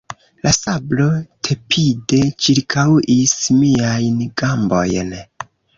La sablo tepide ĉirkaŭis miajn gambojn.